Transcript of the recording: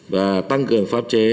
và tăng cường pháp chế